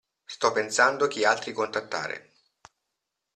Sto pensando chi altri contattare.